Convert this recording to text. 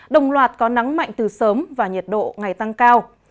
đồng loạt có nắng mạnh từ sớm và nhiệt độ ngày tăng cao